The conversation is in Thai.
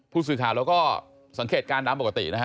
ผู้สื่อขาเราก็สังเกตการนำปกตินะครับ